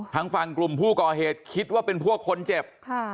ทางฝั่งกลุ่มผู้ก่อเหตุคิดว่าเป็นพวกคนเจ็บ